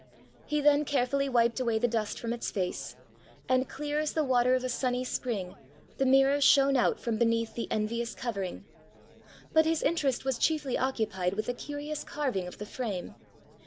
He then carefully wiped away the dust from its face, and, clear as the water of a sunny spring, the mirror shone out from beneath the envious covering. But his interest was chiefly occupied with the curious carving of the frame.